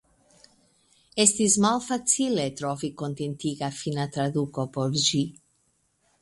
Estis malfacile trovi kontentiga finna traduko por ĝi.